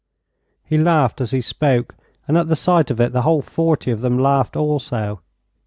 He laughed as he spoke, and at the sight of it the whole forty of them laughed also.